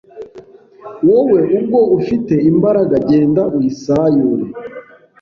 Wowe ubwo ufite imbaraga genda uyisayure